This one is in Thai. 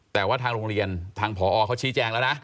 แต่ว่าทางโรงเรียนทางผอเขาชี้แจงแล้วนะ